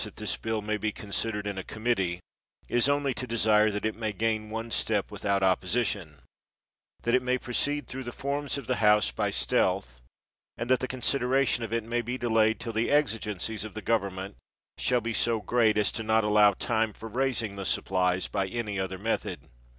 165 THE WORLD'S FAMOUS ORATIONS sidered in a committee, is only to desire that it may gain one step without opposition; that it may proceed through the forms of the House by stealth; and that the consideration of it may be delayed till the exigencies of the government shall be so great as not to allow time for raising the supplies by any other method.